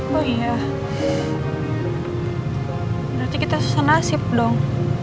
berarti kita sesuai nasib dong